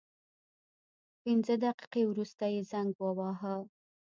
پنځه دقیقې وروسته یې زنګ وواهه.